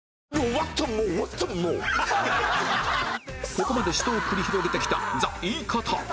ここまで死闘を繰り広げてきた ＴＨＥ イイカタ